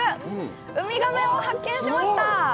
ウミガメを発見しました！